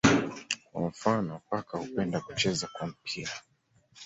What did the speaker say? Kwa mfano paka hupenda kucheza kwa mpira.